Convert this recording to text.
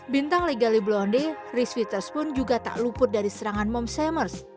bintang legally blonde reese withers pun juga tak luput dari serangan mom shamers